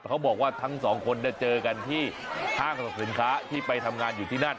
เขาบอกว่าทั้งสองคนเจอกันที่ห้างสรรพสินค้าที่ไปทำงานอยู่ที่นั่น